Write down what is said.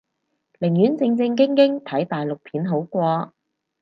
寧願正正經經睇大陸片好過